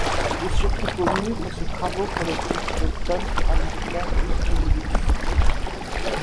Il est surtout connu pour ses travaux pour le groupe punk americain Dead Kennedys.